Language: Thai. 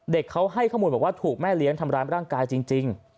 เด็กเขาให้ข้อมูลบอกว่าถูกแม่เลี้ยงทำร้ายร่างกายจริง